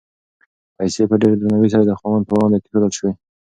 پیسې په ډېر درناوي سره د خاوند په وړاندې کېښودل شوې.